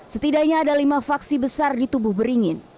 setidaknya ada lima faksi besar di tubuh beringin